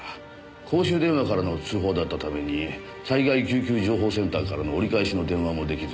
公衆電話からの通報だったために災害救急情報センターからの折り返しの電話も出来ず。